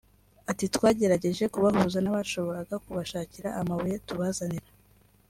Ati “Twagerageje kubahuza n’abashoboraga kubashakira amabuye tubazanira